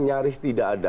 nyaris tidak ada